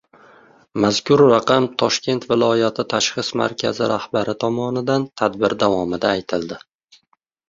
Mazkur raqam Toshkent viloyati tashxis markazi rahbari tomonidan tadbir davomida aytildi